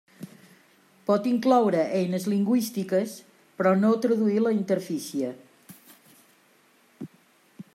Pot incloure eines lingüístiques, però no traduir la interfície.